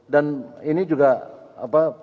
dan ini juga pak iryawan